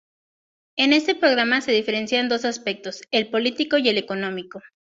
En este programa se diferencian dos aspectos: el político y el económico.